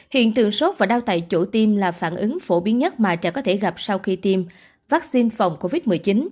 hiện tượng sốt và đau tại chỗ tiêm là phản ứng phổ biến nhất mà trẻ có thể gặp sau khi tiêm vaccine phòng covid một mươi chín